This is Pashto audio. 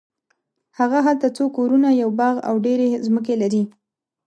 هغه هلته څو کورونه یو باغ او ډېرې ځمکې لري.